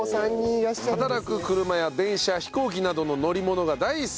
働く車や電車飛行機などの乗り物が大好き。